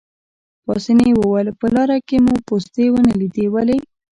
پاسیني وویل: په لاره کې مو پوستې ونه لیدې، ولې؟